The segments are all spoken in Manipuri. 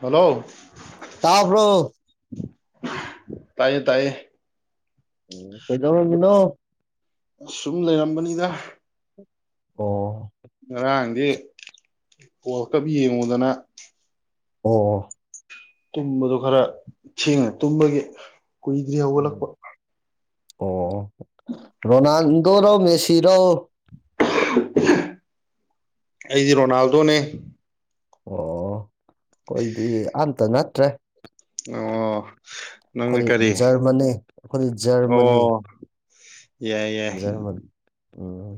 ꯍꯜꯂꯣ ꯇꯥꯕ꯭ꯔꯣ ꯇꯌꯦ ꯇꯌꯦ ꯎꯝ ꯀꯩꯗꯧꯔꯝꯃꯤꯅꯣ ꯑ ꯁꯨꯝ ꯂꯩꯔꯝꯕꯅꯤꯗ ꯑꯣ ꯉꯔꯥꯡꯗꯤ ꯋꯥꯜꯀꯞ ꯌꯦꯡꯉꯨꯗꯅ ꯑꯣ ꯇꯨꯝꯕꯗꯣ ꯈꯔ ꯊꯦꯡꯅ ꯇꯨꯝꯕꯒꯤ ꯀꯨꯏꯗ꯭ꯔꯤ ꯍꯧꯒꯠꯂꯛꯄ ꯑꯣ ꯔꯣꯅꯥꯜ ꯗꯣꯔꯣ ꯃꯦꯁꯤꯔꯣ ꯑꯩꯗꯤ ꯔꯣꯅꯥꯜꯗꯣꯅꯦ ꯑꯣ ꯑꯩꯈꯣꯏꯗꯤ ꯑꯝꯇ ꯅꯠꯇ꯭ꯔꯦ ꯑꯣ ꯅꯪꯅ ꯑꯩꯈꯣꯏ ꯀꯔꯤ ꯖꯔꯃꯅꯤ ꯑꯩꯈꯣꯏ ꯖꯔꯃꯅꯤ ꯑꯣ ꯌꯥꯏ ꯌꯥꯏ ꯖꯔꯃꯅꯤ ꯎꯝ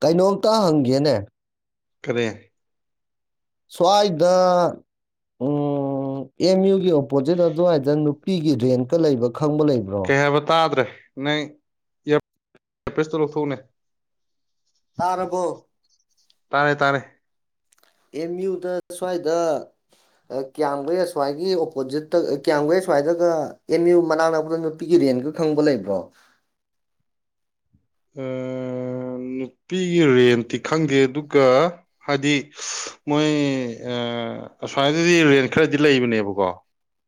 ꯀꯩꯅꯣꯝꯇ ꯍꯪꯒꯦꯅꯦ ꯀꯔꯦ ꯁ꯭ꯋꯥꯏꯗ ꯎꯝ ꯑꯦꯝ ꯌꯨꯒꯤ ꯑꯣꯄꯣꯖꯤꯠ ꯑꯗꯨꯋꯥꯏꯗ ꯅꯨꯄꯤꯒꯤ ꯔꯦꯟꯀ ꯂꯩꯕ ꯈꯪꯕ ꯂꯩꯕ꯭ꯔꯣ ꯀꯩ ꯍꯥꯌꯕꯥ ꯇꯥꯗ꯭ꯔꯦ ꯅꯪ ꯑꯦꯔ ꯄꯤꯁꯇꯨ ꯂꯧꯊꯣꯛꯎꯅꯦ ꯇꯥꯔꯕꯣ ꯇꯥꯔꯦ ꯇꯥꯔꯦ ꯑꯦꯝꯌꯨꯗ ꯁ꯭ꯋꯥꯏꯗ ꯀꯌꯥꯝꯒꯩ ꯁ꯭ꯋꯥꯏꯒꯤ ꯑꯣꯄꯣꯖꯤꯠꯇ ꯀꯌꯥꯝꯒꯩ ꯁ꯭ꯋꯥꯏꯗꯒ ꯑꯦꯝꯌꯨ ꯃꯅꯥꯛ ꯅꯛꯄꯗ ꯅꯨꯄꯤꯒꯤ ꯔꯦꯟꯒ ꯈꯪꯕ ꯂꯩꯕ꯭ꯔꯣ ꯑꯝ ꯅꯨꯄꯤꯒꯤ ꯔꯦꯟꯇꯤ ꯈꯪꯗꯦ ꯑꯗꯨꯒ ꯍꯥꯏꯗꯤ ꯃꯣꯏ ꯑꯁꯥꯏꯗꯗꯤ ꯔꯦꯟ ꯈꯔꯗꯤ ꯂꯩꯕꯅꯦꯕꯀꯣ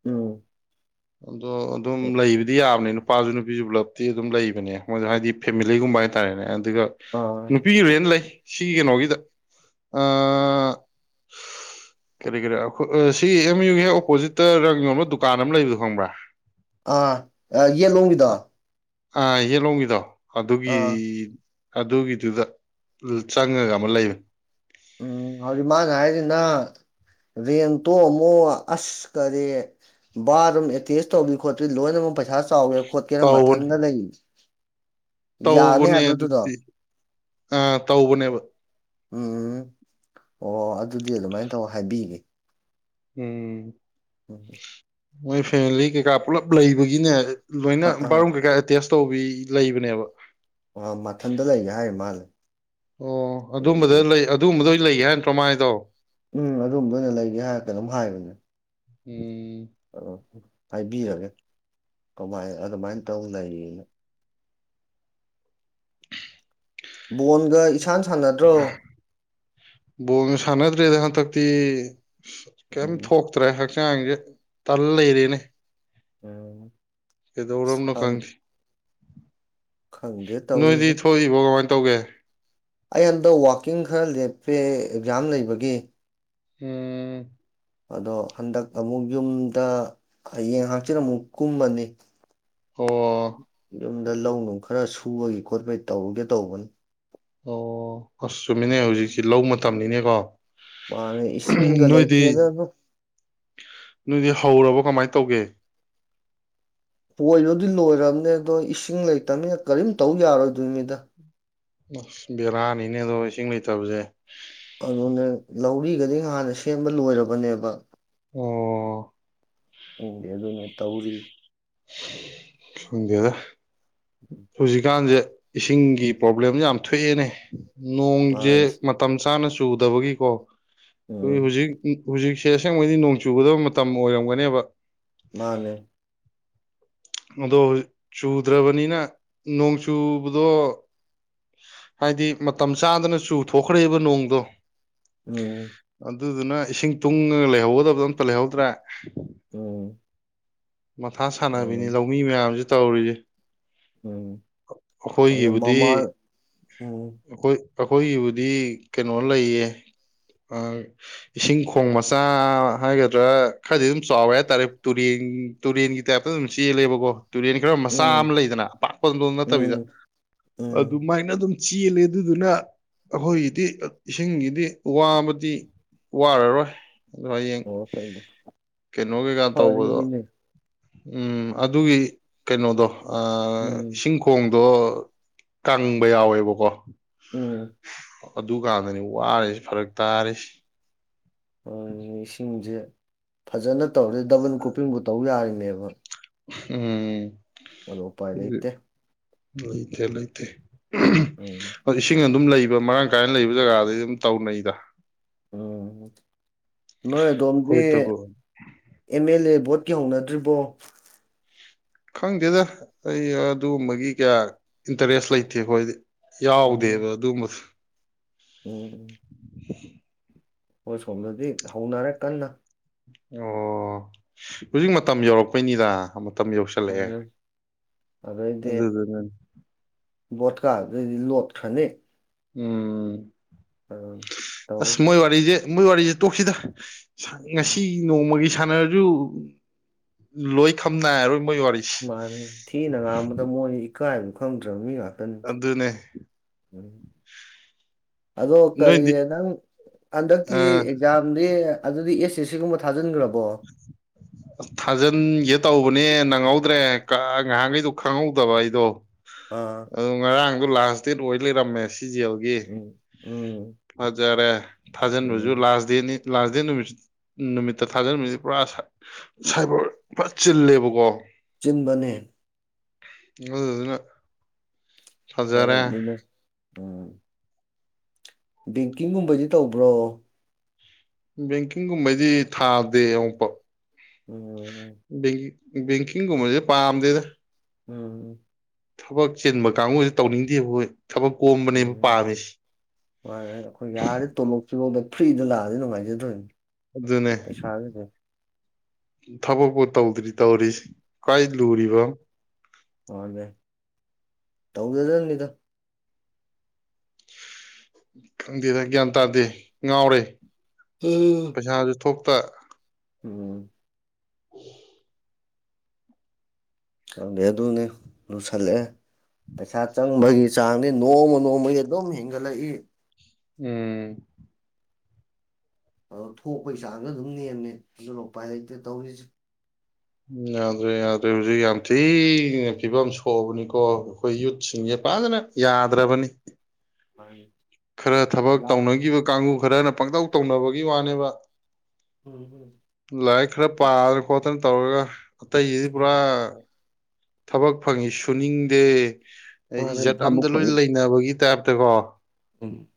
ꯎꯝ ꯎꯝ ꯑꯗꯣ ꯑꯗꯨꯝ ꯂꯩꯕꯗꯤ ꯌꯥꯕꯅꯤꯅ ꯅꯨꯄꯥꯁꯨ ꯅꯨꯄꯤꯁꯨ ꯄꯨꯂꯞꯇꯤ ꯑꯗꯨꯝ ꯂꯩꯕꯅꯦ ꯃꯣꯏꯗꯣ ꯍꯥꯏꯗꯤ ꯐꯦꯃꯤꯂꯤꯒꯨꯝꯕ ꯍꯥꯏꯇꯥꯔꯦꯅꯦ ꯑꯗꯨꯒ ꯑ ꯅꯨꯄꯤꯒꯤ ꯔꯦꯟ ꯂꯩ ꯁꯤ ꯀꯩꯅꯣꯒꯤꯗ ꯑꯥ ꯀꯔꯤ ꯀꯔꯤ ꯑꯩꯈꯣꯏ ꯁꯤ ꯑꯦꯝ ꯌꯨꯒꯤ ꯍꯦꯛ ꯑꯣꯄꯣꯖꯤꯠꯇ ꯔꯪ ꯌꯣꯟꯕ ꯗꯨꯀꯥꯟ ꯑꯃ ꯂꯩꯕꯗꯣ ꯈꯪꯕꯔꯥ ꯑꯥ ꯌꯦꯠꯂꯣꯡꯒꯤꯗꯣ ꯑꯥ ꯌꯦꯠꯂꯣꯝꯒꯤꯗꯣ ꯑꯗꯨꯒꯤ ꯑꯗꯨꯒꯤꯗꯨꯗ ꯆꯪꯉꯒ ꯑꯃ ꯂꯩꯕ ꯎꯝ ꯍꯧꯖꯤꯛ ꯃꯥꯅ ꯍꯥꯏꯁꯤꯅ ꯔꯦꯟꯇꯣ ꯑꯃꯨꯛ ꯑꯁ ꯀꯔꯤ ꯕꯠꯔꯨꯝ ꯑꯦꯇꯦꯁ ꯇꯧꯕꯤ ꯈꯣꯠꯄꯤ ꯂꯣꯏꯅꯃꯛ ꯄꯩꯁꯥ ꯆꯥꯎꯒꯦ ꯈꯣꯠꯀꯦꯅ ꯇꯧꯕꯅꯦ ꯃꯊꯟꯇ ꯂꯩ ꯌꯥꯅꯤ ꯇꯧꯕꯅꯦ ꯍꯥꯏꯕ꯭ꯔꯣ ꯑꯗꯨꯗꯣ ꯑꯗꯨꯗꯤ ꯑꯥ ꯇꯧꯕꯅꯦꯕ ꯎꯝ ꯑꯣ ꯑꯗꯨꯗꯤ ꯑꯗꯨꯃꯥꯏꯅ ꯇꯧ ꯍꯥꯏꯕꯤꯒꯦ ꯎꯝ ꯎꯝ ꯃꯣꯏ ꯐꯦꯃꯤꯂꯤ ꯀꯩꯀꯥ ꯄꯨꯜꯂꯞ ꯂꯩꯕꯒꯤꯅꯦ ꯂꯣꯏꯅ ꯑ ꯑꯥ ꯕꯥꯠꯔꯨꯝ ꯀꯩꯀꯥ ꯑꯦꯇꯦꯁ ꯇꯧꯕꯤ ꯂꯩꯕꯅꯦꯕ ꯑ ꯃꯊꯟꯗ ꯂꯩꯒꯦ ꯍꯥꯏ ꯃꯥꯜꯂꯦ ꯑꯣ ꯑꯗꯨꯝꯕꯗ ꯑꯗꯨꯗꯨꯒꯤ ꯂꯩ ꯑꯗꯨꯒꯨꯝꯕꯗ ꯂꯩ ꯍꯥꯏꯦꯟ ꯇꯣꯃꯥꯏꯗꯣ ꯎꯝ ꯑꯗꯨꯨꯝꯝꯗ ꯑꯣꯏꯅ ꯂꯩꯒꯦ ꯍꯥꯏꯔꯒ ꯑꯗꯨꯝ ꯍꯥꯏꯕꯅꯦ ꯎꯝ ꯑ ꯍꯥꯏꯕꯤꯔꯒꯦ ꯀꯃꯥꯏ ꯑꯗꯨꯃꯥꯏꯅ ꯇꯧꯅꯅ ꯕꯣꯣꯟꯒ ꯣꯁꯅꯦꯗꯔꯦꯗꯍ ꯇ ꯇ ꯀꯦꯝ ꯎꯝ ꯊꯣꯛꯀ ꯇ꯭ꯔꯦ ꯍꯥꯛ ꯇꯂ ꯌꯦꯔꯤꯅꯤ ꯑꯣꯝ ꯑꯩꯗꯧꯔꯝꯅ ꯀꯪꯈꯤ ꯈꯪꯗꯦ ꯅꯅꯨꯡꯗꯤ ꯇꯧꯔꯤꯁꯦ ꯊꯣꯛꯏ ꯒꯟ ꯇꯧꯒꯦ ꯑꯩ ꯍꯟꯗꯛ ꯋꯥꯋꯥꯛꯀꯤꯡ ꯈꯔ ꯂꯦꯞꯄꯦ ꯑꯦꯛꯖꯥꯝ ꯂꯩꯕꯒꯤ ꯎꯝ ꯑꯗꯣ ꯍꯟꯗꯛ ꯑꯃꯨꯛ ꯌꯨꯝꯗ ꯍꯌꯦꯡ ꯍꯥꯛꯆꯤꯤꯟ ꯑꯃꯨꯛ ꯀꯨꯝꯃꯅꯤ ꯑꯣ ꯌꯨꯝꯗ ꯂꯧ ꯅꯨꯡ ꯈꯔ ꯁ ꯊꯨꯕꯒꯤ ꯈꯣꯠꯄꯒꯤ ꯇꯧꯔꯨꯒꯦ ꯇꯧꯕꯅꯤ ꯑꯣ ꯑꯁ ꯆꯨꯝꯃꯤꯅꯦ ꯍꯧꯖꯤꯛꯁꯤ ꯂꯧ ꯃꯇꯝꯅꯤꯅꯦ ꯇꯔ ꯃꯥꯅꯦ ꯏꯁꯤꯡꯒ ꯂꯩꯇꯦꯗ ꯑꯗꯨ ꯅꯣꯏꯗꯤ ꯍꯧꯔꯕꯣ ꯀꯃꯥꯏ ꯇꯧꯒꯦ ꯄꯣꯏꯔꯣꯗꯤ ꯂꯣꯏꯔꯕꯅꯦ ꯑꯗꯣ ꯏꯁꯤꯡ ꯂꯩꯇꯕꯅꯤꯅ ꯀꯔꯤꯝ ꯇꯧ ꯌꯥꯔꯣꯏꯗꯣꯏꯅꯤꯗ ꯑꯁ ꯕꯦꯔꯥꯅꯤꯅꯦ ꯑꯗꯣ ꯏꯁꯤꯡ ꯂꯩꯇꯕꯁꯦ ꯑꯗꯨꯅꯦ ꯂꯧꯔꯤꯒꯗꯤ ꯉꯥꯟꯅ ꯁꯦꯝꯕ ꯂꯣꯏꯔꯕꯅꯦꯕ ꯑꯣ ꯎꯨꯡꯗꯤ ꯑꯗꯨꯅ ꯇꯧꯔꯤ ꯊꯗꯗ ꯁꯖꯤꯀꯥꯟꯁꯦ ꯏꯁꯤꯡꯒꯤ ꯄ꯭ꯔꯣꯕ꯭ꯂꯦꯝ ꯌꯥꯝ ꯊꯣꯛꯑꯦꯅꯦ ꯅꯣꯡꯁꯦ ꯃꯥꯏꯁꯦ ꯃꯇꯝ ꯆꯥꯅ ꯆꯨꯗꯕꯒꯤꯀꯣ ꯇꯨꯡꯒꯤ ꯎꯝ ꯍꯨꯖꯤꯛ ꯎꯝ ꯍꯨꯖꯤꯛ ꯁꯤꯗ ꯑꯁꯦꯡꯕꯩꯗꯤ ꯅꯣꯡ ꯆꯨꯒꯗꯕ ꯃꯇꯝ ꯑꯣꯏꯔꯝꯒꯅꯦꯕ ꯃꯥꯅꯦ ꯑꯗꯣ ꯍꯨꯖꯤꯛ ꯆꯨꯗ꯭ꯔꯕꯅꯤꯅ ꯅꯣꯡ ꯆꯨꯕꯗꯣ ꯍꯥꯏꯗꯤ ꯃꯇꯝ ꯆꯥꯗꯅ ꯆꯨꯊꯣꯛꯈ꯭ꯔꯦꯕ ꯅꯣꯡꯗꯣ ꯎꯝ ꯑꯗꯨꯗꯨꯅ ꯏꯁꯤꯡ ꯇꯨꯡꯉꯒ ꯂꯩꯍꯧꯒꯗꯕꯗꯣ ꯑꯝꯇ ꯂꯩꯍꯧꯗ꯭ꯔꯦ ꯎꯝ ꯃꯊꯥ ꯁꯥꯟꯅ ꯎꯏꯅꯤ ꯎꯝ ꯂꯧꯃꯤ ꯃꯌꯥꯝꯖꯤ ꯇꯧꯔꯤꯖꯦ ꯎꯝ ꯑꯗꯨ ꯑꯈꯣꯏꯒꯤꯕꯨꯗꯤ ꯃꯃꯥ ꯎꯝ ꯑꯈꯣꯏ ꯑꯈꯣꯏꯒꯤꯕꯨꯗꯤ ꯀꯩꯅꯣ ꯂꯩꯌꯦ ꯑ ꯏꯁꯤꯡ ꯈꯣꯡ ꯃꯆꯥ ꯍꯥꯏꯒꯗ꯭ꯔꯥ ꯈꯔꯗꯤ ꯑꯗꯨꯝ ꯆꯥꯎꯋꯦ ꯍꯥꯏꯇꯥꯔꯦ ꯇꯨꯔꯦꯟ ꯇꯨꯔꯦꯟꯒꯤ ꯇꯥꯏꯞꯇ ꯑꯗꯨꯝ ꯆꯦꯜꯂꯦꯕꯀꯣ ꯇꯨꯔꯦꯟ ꯈꯔ ꯃꯆꯥ ꯑꯃ ꯎꯝ ꯂꯩꯗꯅ ꯑꯄꯥꯛ ꯄꯟꯂꯣꯝ ꯅꯠꯇꯕꯤꯗ ꯎꯝ ꯎꯝ ꯑꯗꯨꯃꯥꯏꯅ ꯑꯗꯨꯝ ꯆꯦꯜꯂꯦ ꯑꯗꯨꯗꯨꯅ ꯑꯈꯣꯏꯒꯤꯗꯤ ꯑ ꯏꯁꯤꯡꯒꯤꯗꯤ ꯋꯥꯕꯗꯤ ꯋꯥꯔꯔꯣꯏ ꯑꯗꯣ ꯍꯌꯦꯡ ꯑꯣ ꯀꯩꯅꯣ ꯀꯩꯀꯥ ꯇꯧꯕꯗꯣ ꯐꯔꯤꯅꯦ ꯎꯝ ꯑꯗꯨꯒꯤ ꯀꯩꯅꯣꯗꯣ ꯑꯥ ꯎꯝ ꯏꯁꯤꯡ ꯈꯣꯡ ꯑꯗꯣ ꯀꯪꯕ ꯌꯥꯎꯋꯦꯕꯀꯣ ꯎꯝ ꯑꯗꯨꯀꯥꯟꯗꯅꯤ ꯋꯥꯔꯤꯖꯤ ꯐꯔꯛ ꯇꯥꯔꯤꯁꯤ ꯎꯝ ꯏꯁꯤꯡꯖꯦ ꯐꯖꯅ ꯇꯧꯔꯗꯤ ꯗꯕꯜ ꯀ꯭ꯔꯣꯄꯤꯡꯕꯨ ꯇꯧ ꯌꯥꯔꯤꯅꯤ ꯅꯦꯕ ꯎꯝ ꯃꯗꯣ ꯎꯄꯥꯏ ꯂꯩꯇꯦ ꯂꯩꯇꯦ ꯂꯩꯇꯦ ꯎꯝ ꯑꯗꯣ ꯏꯁꯤꯡ ꯑ ꯗꯨꯝ ꯂꯩꯕ ꯃꯔꯥꯡ ꯀꯥꯏꯅ ꯂꯩꯕ ꯖꯒꯥꯗꯗꯤ ꯑꯗꯨꯝ ꯇꯧꯅꯩꯗ ꯎꯝ ꯅꯣꯏ ꯑꯗꯣꯝꯒꯤ ꯍꯣꯏ ꯇꯧꯕ ꯑꯦꯝ ꯑꯦꯜ ꯑꯦ ꯚꯣꯠꯀꯤ ꯍꯧꯅꯗ꯭ꯔꯤꯕꯣ ꯈꯪꯗꯦꯗ ꯑꯩ ꯑꯗꯨꯒꯨꯝꯕꯒꯤ ꯀꯌꯥ ꯏꯟꯇꯔꯦꯁ ꯂꯩꯇꯦ ꯑꯈꯣꯏꯗꯤ ꯎꯝ ꯌꯥꯎꯗꯦꯕ ꯑꯗꯨꯝꯕꯁꯨ ꯎꯝ ꯎꯝ [unintelligible] ꯍꯣꯏ ꯁꯣꯝꯗꯗꯤ ꯍꯧꯅꯔꯦ ꯀꯟꯅ ꯑꯣ ꯍꯧꯖꯤꯛ ꯃꯇꯝ ꯌꯧꯔꯛꯄꯩꯅꯤꯗ ꯃꯇꯝ ꯎ ꯌꯧꯁꯜꯂꯛꯑꯦ ꯑꯗꯨꯗꯗꯤ ꯑꯗꯨꯗꯨꯅꯅꯤ ꯕꯣꯠꯀꯥ ꯑꯗꯨꯩꯗꯤ ꯂꯣꯠ ꯈꯅꯦ ꯎꯝ ꯇꯧ ꯑꯁ ꯃꯣꯏ ꯋꯥꯔꯤꯁꯦ ꯃꯣꯏ ꯋꯥꯔꯤꯁ ꯇꯣꯛꯁꯤꯗ ꯎꯝ ꯉꯁꯤ ꯅꯣꯡꯃꯒꯤ ꯁꯥꯟꯅꯔꯁꯨ ꯂꯣꯏ ꯈꯝꯅꯥꯏꯔꯣꯏ ꯃꯥ ꯊꯅ ꯉ ꯃ ꯀꯥꯏꯅꯣ ꯈꯪꯗ꯭ꯔꯕ ꯃꯤꯒ ꯑꯗꯨ ꯑꯗꯨꯅꯦ ꯎꯅꯤ ꯑꯗꯣ ꯀꯔꯤ ꯅꯣꯏꯗꯤ ꯅꯪ ꯍꯟꯗꯛꯀꯤ ꯑ ꯑꯦꯛꯖꯥꯝꯗꯤ ꯑꯗꯨꯗꯤ ꯑꯦꯁ ꯑꯦ ꯁꯤ ꯒꯨꯝꯕ ꯊꯥꯖꯤꯟꯈ꯭ꯔꯕ ꯊꯥꯖꯤꯟꯒꯦ ꯇꯧꯕꯅꯦ ꯅꯪꯍꯧꯗ꯭ꯔꯦ ꯉꯥꯏꯍꯥꯟꯈꯩꯗꯨꯣ ꯈꯪꯍꯧꯗꯕ ꯑꯩꯗꯣ ꯑꯥ ꯑꯗꯨ ꯉꯥꯡ ꯑꯗꯨ ꯂꯥꯁ ꯗꯦꯠ ꯑꯣꯏꯋꯂꯤꯔꯝꯃꯦꯦꯁꯤ ꯁꯤ ꯖꯤꯥꯎꯒꯤ ꯎꯝ ꯎꯝ ꯐꯖꯔꯦ ꯊꯥꯖꯤꯟꯕꯁꯨ ꯎꯝ ꯂꯥꯁ ꯗꯦꯠꯅꯤ ꯂꯥꯁꯗ ꯅꯨꯃꯤ ꯅꯨꯃꯤꯠꯇ ꯊꯥꯖꯟꯃꯤꯁꯦ ꯄꯨꯔꯥ ꯁꯥꯏꯕꯔ ꯄꯨꯔꯥ ꯆꯤꯜꯂꯦꯕꯀꯣ ꯆꯤꯟꯕꯅꯦ ꯑꯗꯨ ꯑꯗꯨ ꯑꯗꯨꯅ ꯍꯔꯅ ꯎꯝ ꯕꯦꯡꯀꯤꯡꯒꯨꯝꯕꯗꯤ ꯇꯧꯕ꯭ꯔꯣ ꯕꯦꯡꯀꯤꯡꯒꯨꯝꯕꯗꯤ ꯊꯥꯗꯦ ꯑꯃꯨꯛꯄ ꯎꯝꯝ ꯕꯦꯡꯀꯤꯡꯒꯨꯝꯕꯁꯦ ꯄꯥꯝꯗꯦꯗ ꯎꯝꯝ ꯊꯕꯛ ꯆꯦꯟꯕ ꯀꯥꯡꯕꯨꯁ ꯇꯧꯅꯤꯡꯗꯦ ꯑꯩꯣꯏ ꯎꯝ ꯍꯣꯏ ꯑꯩꯈꯣꯏ ꯌꯥꯔꯦ ꯇꯣꯂꯣ ꯐꯤꯃꯧꯗ ꯐ꯭ꯔꯤꯗ ꯂꯥꯛꯑꯗꯤ ꯅꯨꯡꯉꯥꯏꯖꯗꯣꯏꯅꯤ ꯑꯗꯨ ꯑꯗꯨꯅꯦ ꯄꯩꯁꯥꯒꯤꯁꯦ ꯊꯕꯛꯄꯨ ꯇꯧꯗ꯭ꯔꯤ ꯇꯧꯔꯤꯁꯤ ꯀꯥꯏ ꯂꯨꯔꯤꯕ ꯍ ꯇꯧꯗꯗꯅꯤꯗ ꯈꯪꯗꯦꯗ ꯒ꯭ꯌꯥꯟ ꯇꯥꯗꯦ ꯉꯥꯎꯔꯦ ꯎꯝ ꯄꯁꯥꯅ ꯏꯊꯣ ꯄ ꯎꯝ ꯎ ꯈꯪꯗꯦ ꯑꯗꯨꯅꯤ ꯂꯨꯁꯜꯂꯛꯑꯦ ꯄꯩꯁꯥ ꯆꯪꯕꯒꯤ ꯆꯥꯡꯅꯤ ꯅꯣꯡꯃ ꯅꯣꯡꯃꯒꯤ ꯑꯗꯨꯝ ꯍꯦꯟꯒꯠꯂꯛꯏ ꯎꯝ ꯑ ꯊꯣꯛꯄꯒꯤ ꯆꯥꯡꯁꯨ ꯑꯗꯨꯝ ꯅꯦꯝꯃꯦ ꯑꯗꯨꯅ ꯎꯄꯥꯏ ꯂꯩꯇ ꯇꯧꯔꯤꯁꯦ ꯌꯥꯗ꯭ꯔꯦ ꯌꯥꯗ꯭ꯔꯦ ꯍꯧꯖꯤꯛ ꯌꯥꯝ ꯊꯤꯅ ꯐꯤꯕꯝ ꯁꯣꯛꯑꯕꯅꯤꯀꯣ ꯑꯩꯈꯣꯏ ꯌꯨꯠꯁꯤꯡꯁꯦ ꯐꯖꯅ ꯌꯥꯗ꯭ꯔꯕꯅꯤ ꯍꯥꯏ ꯈꯔ ꯊꯕꯛ ꯇꯧꯅꯈꯤꯕ ꯀꯥꯡꯕꯨ ꯈꯔꯅ ꯄꯪꯇꯧ ꯇꯧꯅꯕꯒꯤ ꯋꯥꯅꯦꯕ ꯎꯝꯝ ꯂꯥꯛ ꯈꯔ ꯄꯥꯔ ꯈꯣꯊꯅ ꯇꯧꯔꯒ ꯑꯠꯇ ꯏꯗꯤ ꯄꯨ꯭ꯔꯥ ꯊꯕꯛ ꯐꯪꯉꯤ ꯁꯨꯅꯤꯡꯗꯦ ꯏꯖꯠ ꯑꯝꯗ ꯂꯣꯏ ꯂꯩꯅꯕꯒꯤ ꯇꯥꯏꯞ ꯠꯇꯀꯣ ꯎꯝ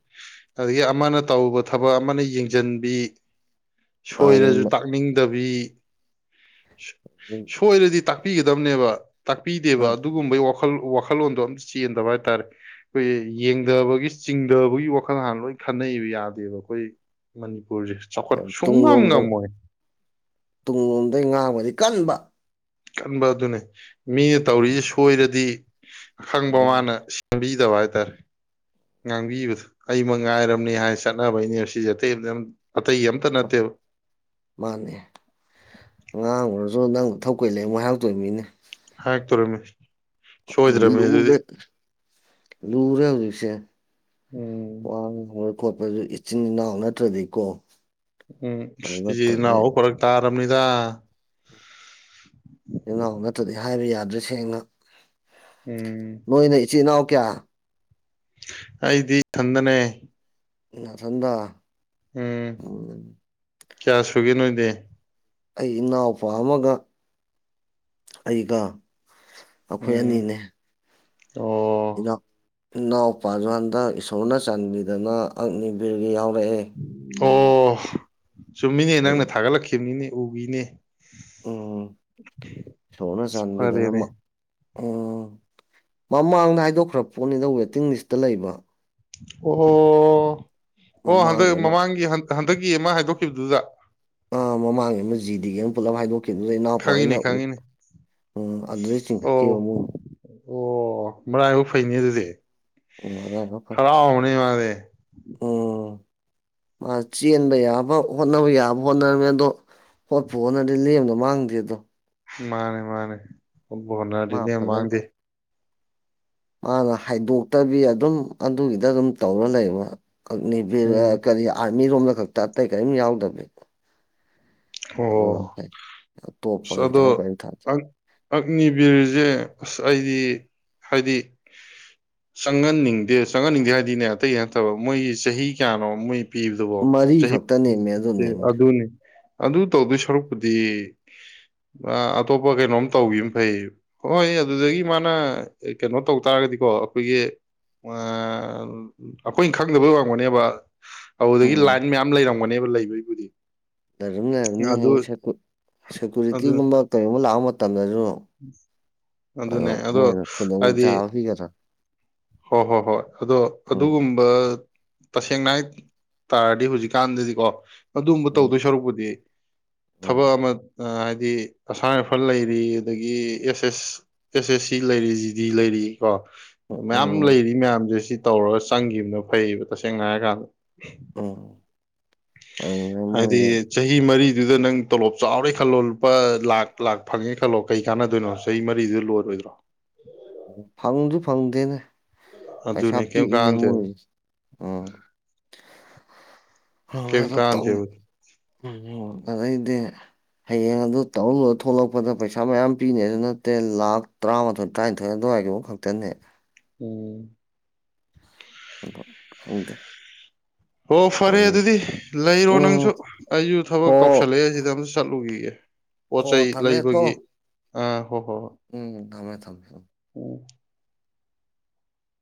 ꯑꯗꯒꯤ ꯑꯃꯅ ꯇꯧꯕ ꯊꯕꯛ ꯑꯃꯅ ꯌꯦꯡꯁꯤꯟꯕꯤ ꯃꯥꯅꯦ ꯁꯣꯏꯔꯁꯨ ꯇꯥꯛꯅꯤꯡꯗꯕꯤ [unintelligible] ꯁꯣꯏꯔꯦꯗꯤ ꯇ ꯄꯤꯒꯗꯕꯅꯦꯕ ꯇꯥꯛꯄꯤꯗꯦꯕ ꯑꯗꯨꯒꯨꯝꯕꯒꯤ ꯋꯥꯈꯜ ꯋꯥꯈꯜ ꯋꯥꯈꯜꯂꯣꯟꯗꯣ ꯑꯝꯇ ꯆꯦꯟꯗꯕ ꯍꯥꯏꯇꯥꯔꯦ ꯑꯩꯈꯣꯏ ꯌꯦꯡꯗꯕꯒꯤ ꯆꯤꯡꯗꯕꯒꯤ ꯋꯥꯈꯜ ꯍꯥꯟꯅ ꯂꯣꯏ ꯈꯟꯅꯕ ꯌꯥꯗꯦꯕ ꯑꯩꯈꯣꯏ ꯃꯅꯤꯨꯔ ꯇꯨꯡꯂꯣꯝꯗ ꯇꯨꯡꯂꯣꯝꯗꯩ ꯉꯥꯡꯕꯗꯤ ꯀꯟꯕ ꯀꯟꯕ ꯑꯗꯨꯅꯦ ꯃꯤꯅ ꯇꯧꯔꯤꯁꯤꯦ ꯎꯝ ꯁꯣꯏꯔꯗꯤ ꯈꯪꯕ ꯃꯥꯅ ꯁꯦꯝꯕꯤ ꯄꯖꯕ ꯍꯥꯏꯇꯥꯔꯦ ꯉꯥꯡꯕꯤꯕꯗ ꯑꯩꯃ ꯉꯥꯏꯔꯝꯅꯤ ꯍꯥꯏ ꯆꯠꯅꯕꯩꯅꯦꯕ ꯁꯤꯁꯦ ꯑꯇꯩ ꯑ ꯑꯇꯩ ꯑꯝꯇ ꯅꯠꯇꯦꯕ ꯃꯥꯅꯦ ꯉꯥꯡ ꯑꯣꯏꯨꯔꯁꯨ ꯅꯪ ꯊꯧ ꯀꯨꯩ ꯂꯩ ꯉꯥꯏꯍꯥꯛꯇꯣꯏ ꯃꯤꯅꯦ ꯇꯔ ꯃꯤꯁ ꯎ ꯂꯨꯔꯦ ꯂꯨꯔꯦ ꯍꯧꯖꯤꯛꯁꯦ ꯎꯝ ꯋꯥ ꯈꯣꯠꯄꯁꯨ ꯏꯆꯤꯟ ꯏꯅꯥꯎ ꯅꯠꯇ꯭ꯔꯗꯤꯀꯣ ꯎꯝ ꯑꯗꯨ ꯅꯠꯇꯕꯅꯤ ꯁꯤꯅꯎ ꯐꯔꯛ ꯇꯥ ꯔꯝꯅꯤꯗ ꯏꯅꯥꯎ ꯅꯠꯇ꯭ꯔꯗꯤ ꯍꯥꯏꯕ ꯌꯥꯗ꯭ꯔꯦ ꯁꯦꯡꯅ ꯎꯝ ꯅꯣꯏ ꯅꯣꯏ ꯆꯤꯅꯥ ꯀꯌꯥ ꯑꯩꯗꯤ ꯑꯤꯊꯟꯗ ꯅꯦ ꯆꯟꯗ ꯎꯝ ꯀꯌꯥ ꯁꯨꯒꯦ ꯅꯣꯏꯗꯤ ꯑꯩ ꯏꯅꯥꯎꯄꯥ ꯑꯃꯒ ꯑꯩꯒ ꯑꯩꯈꯣꯏ ꯎꯝ ꯑꯅꯤꯅꯦ ꯑꯣ ꯏꯣ ꯏꯅꯥꯎ ꯄꯥꯖꯟꯗ ꯏꯁꯣꯔꯅ ꯆꯥꯟꯕꯤꯗꯨꯅ ꯑꯪꯅꯤ ꯕꯤꯔꯒꯤ ꯌꯥꯎ ꯔꯦ ꯑꯣꯐ ꯁꯨꯝ ꯃꯤꯅꯦ ꯅꯪꯅ ꯊꯥꯒꯠꯂꯛꯈꯤꯕ ꯃꯤꯅꯦ ꯇꯤꯅꯦ ꯎꯝ ꯏꯁꯣꯔꯅ ꯑꯁ ꯆꯥꯟꯕꯤꯗꯅ ꯐꯔꯦꯅꯦ ꯑꯃ ꯑꯣ ꯃꯃꯥꯡꯗ ꯍꯥꯏꯗꯣꯛꯈ꯭ꯔ ꯄꯣꯠꯅꯤꯗ ꯋꯦꯇꯤꯡ ꯂꯤꯁꯇ ꯂꯩꯕ ꯑꯣ ꯑꯣ ꯍꯟꯗ ꯃꯃꯥꯡꯒꯤ ꯑꯃ ꯃꯃꯥꯡꯒꯤ ꯍꯟ ꯍꯟꯗꯛꯀꯤ ꯑꯃ ꯍꯥꯏꯗꯣꯛꯈꯤꯕꯗꯨꯗ ꯑ ꯃꯃꯥꯡꯒꯤ ꯑꯃ ꯖꯤꯗꯤꯗꯒꯤ ꯑꯃ ꯄꯨꯂꯞ ꯍꯥꯏꯗꯣꯛ ꯗꯨꯗ ꯏꯅꯥꯄꯣꯛ ꯈꯪꯉꯤꯅꯦ ꯑꯩꯅ ꯎ ꯈꯪꯉꯤꯅꯦ ꯎꯝ ꯑꯗꯨꯗꯩ ꯑꯣ ꯆꯤꯡꯈꯠꯈꯤꯕ ꯃꯣꯏ ꯑꯣ ꯃꯔꯥꯏꯐꯛ ꯐꯩꯅꯤ ꯑꯗꯨꯗꯤ ꯎꯝ ꯑꯗꯥꯏ ꯈꯔ ꯐꯔꯦ ꯍꯔꯅꯤ ꯋꯥ [inaudible] ꯑꯣ ꯃꯥ ꯆꯦꯟꯕ ꯌꯥꯕ ꯍꯣꯠꯅꯕ ꯌꯥꯕ ꯍꯣꯠꯅꯔꯝꯃꯦ ꯑꯗꯣ ꯍꯣꯠꯄ ꯍꯣꯠꯅꯔꯗꯤ ꯂꯦꯝꯗꯣ ꯃꯥꯡꯗꯦ ꯑꯗꯣ ꯃꯥꯅꯦ ꯃꯥꯅꯦ ꯃꯥ ꯕꯣꯅꯗꯤꯅꯦ ꯌꯥꯝ ꯐꯖꯅ ꯃꯥꯡꯗꯦ ꯃꯥꯅ ꯍꯥꯏꯗꯣꯛꯇꯕꯤ ꯑꯗꯨꯝ ꯑꯗꯨꯒꯤꯗ ꯑꯗꯨꯝ ꯇꯧꯔ ꯂꯩꯕ ꯑꯒꯅꯤ ꯐꯤꯔ ꯎꯝ ꯀꯔꯤ ꯃꯤꯔꯣꯝꯗ ꯈꯛꯇ ꯑꯇꯩ ꯀꯔꯤꯝ ꯌꯥꯎꯗꯕꯕꯤ ꯑꯣ ꯑꯇꯣꯞꯄ ꯑ ꯑꯗꯣ ꯑꯦꯛꯖꯥꯝ ꯀꯔꯤꯝ ꯊꯥꯗꯦ ꯑꯛꯅꯤꯕꯤꯔꯤꯁꯦ ꯑꯁ ꯑꯩꯗꯤ ꯍꯥꯏꯗꯤ ꯆꯪꯍꯟꯅꯤꯡꯗꯦ ꯆꯪꯍꯟꯅꯤꯡꯗꯦ ꯍꯥꯏꯗꯤꯅꯦ ꯑꯇꯩꯒꯤ ꯅꯠꯇꯕ ꯃꯣꯏꯒꯤ ꯆꯍꯤ ꯀꯌꯥꯅꯣ ꯃꯣꯏ ꯄꯤꯕꯗꯕꯣ ꯃꯔꯤ ꯆꯍꯤ ꯈꯛꯇ ꯅꯦꯝꯃꯦ ꯑꯗꯨ ꯅꯦꯝꯃꯦ ꯑꯅꯤ ꯑꯗꯨ ꯇꯧꯗꯣꯏ ꯁꯔꯨꯛꯄꯨꯗꯤ ꯑꯇꯣꯞꯄ ꯀꯩꯅꯣꯝ ꯇꯧꯕꯈꯤꯕ ꯑꯃ ꯐꯩ ꯍꯣꯏ ꯑꯗꯨꯗꯒꯤ ꯃꯥꯅ ꯀꯩꯅꯣ ꯇꯧ ꯇꯥꯔꯒꯗꯤꯀꯣ ꯑꯩꯈꯣꯏꯒꯤ ꯑꯩꯈꯣꯏꯅ ꯈꯪꯗꯕꯩ ꯋꯥꯡꯒꯅꯦꯕ ꯑꯗꯨꯗꯒꯤ ꯎꯝ ꯂꯥꯏꯟ ꯃꯌꯥꯝ ꯂꯩꯔꯝꯒ ꯑꯣꯅꯦꯕ ꯂꯩꯕꯩꯕꯨꯗꯤ ꯂꯩꯔꯕꯝ ꯂꯩꯔꯕꯝꯅ ꯍꯌꯦꯡ ꯑꯗꯨ ꯁꯦꯀꯨꯔꯤꯇꯤꯒꯨꯝꯕ ꯀꯔꯤꯒꯨꯝꯕ ꯂꯥꯛꯕ ꯃꯇꯝꯗꯁꯨ ꯑꯗꯣ ꯃꯣꯏꯅ ꯈꯨꯗꯣꯡꯆꯥꯥꯕ ꯄꯤꯒꯗ꯭ꯔꯥ ꯍꯣ ꯍꯣ ꯍꯣꯏ ꯑꯗꯣ ꯎꯝ ꯑꯗꯨꯒꯨꯝꯕ ꯇꯁꯦꯡꯅ ꯍꯥꯏ ꯇꯥꯔꯗꯤ ꯍꯧꯖꯤꯛꯀꯥꯟꯗꯗꯤꯀꯣ ꯑꯗꯨꯝꯕ ꯎꯝ ꯇꯧꯗꯣꯏ ꯁꯔꯛꯄꯨꯗꯤ ꯍꯦ ꯊꯕꯛ ꯎꯝ ꯑꯃ ꯍꯥꯏꯗꯤ ꯑꯁꯥꯝ ꯔꯥꯏꯐꯜ ꯂꯩꯔꯤ ꯑꯗꯒꯤ ꯑꯦꯁ ꯑꯦꯁ ꯑꯦꯁ ꯑꯦꯁ ꯁꯤ ꯂꯩꯔꯤ ꯖꯤꯗꯤ ꯂꯩꯔꯤ ꯀꯣ ꯃꯌꯥꯝ ꯎꯝ ꯂꯩꯔꯤ ꯃꯌꯥꯝꯁꯦ ꯁꯤ ꯇꯧꯔꯒ ꯆꯪꯈꯤꯕꯅ ꯐꯩꯌꯦꯕ ꯇꯁꯦꯡꯅ ꯍꯥꯏꯔ ꯀꯥꯟꯗ ꯑꯧ ꯍꯥꯏꯗꯤ [unintelligible] ꯆꯍꯤ ꯃꯔꯤꯗꯨꯗ ꯅꯪ ꯇꯣꯂꯣꯞ ꯆꯥꯎꯔꯦ ꯈꯜꯂꯣ ꯂꯨꯄꯥ ꯂꯥꯛ ꯂꯥꯛ ꯐꯪꯉꯦ ꯈꯜꯂꯣ ꯀꯩ ꯀꯥꯟꯅꯗꯣꯏꯅꯣ ꯆꯍꯤ ꯃꯔꯤꯗꯨꯗ ꯂꯣꯏꯔꯣꯏꯗ꯭ꯔꯣ ꯎ ꯐꯪꯁꯨ ꯐꯪꯗꯦꯅꯦ ꯄꯩꯁꯥ ꯑꯗꯨꯅꯦ ꯀꯩꯝ ꯄꯤꯛꯏꯅꯦ ꯀꯥꯟꯅꯗꯦꯕ ꯃꯣꯏ ꯎꯝ ꯀꯩꯝ ꯇꯧ ꯀꯥꯟꯅꯗꯦꯕ ꯑꯗꯩꯗꯤ ꯍꯌꯦꯡ ꯑꯗꯨ ꯇꯧꯔꯂꯨꯔ ꯊꯣꯛꯂꯛꯄꯗ ꯄꯩꯁꯥ ꯃꯌꯥꯝ ꯄꯤꯅꯦ ꯑꯗꯨ ꯅꯠꯇꯦ ꯂꯥꯛ ꯇꯔꯥꯃꯥꯊꯣꯏ ꯇ꯭ꯔꯥꯏꯜ ꯊꯣꯏ ꯑꯗꯨꯋꯥꯏꯒꯤꯐ ꯈꯛꯇꯅꯦ ꯎꯝ ꯑꯗꯣ ꯈꯪꯗꯦ ꯍꯣ ꯐꯔꯦ ꯇꯧꯅꯔꯤꯁꯦ ꯑꯗꯨꯗꯤ ꯂꯩꯔꯣ ꯎꯝ ꯅꯪꯁꯨ ꯑꯩꯁꯨ ꯊꯕꯛ ꯍꯣ ꯀꯧꯁꯜꯂꯛꯑꯦ ꯁꯤꯗ ꯑꯃꯝꯁꯨ ꯆꯠꯂꯨꯈꯤꯒꯦ [inaudible] ꯄꯣꯠ ꯍꯣ ꯆꯩꯩ ꯊꯝꯃꯦꯀꯣ ꯂꯩꯕꯒꯤ ꯑꯥ ꯍꯣ ꯍꯣ ꯍꯣꯏ ꯎꯝ ꯊꯝꯃꯦ ꯊꯝꯃꯦ ꯊꯝꯃꯦ ꯎꯝ